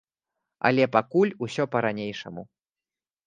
Але пакуль усё па-ранейшаму.